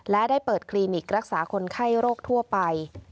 และได้เปิดคลินิกรักษาคนไข้โรคทั่วไป